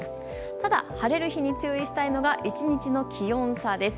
ただ、晴れる日に注意したいのが１日の気温差です。